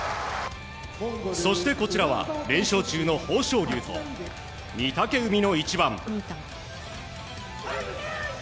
そしてこちらは連勝中の豊昇龍と御嶽海の一番。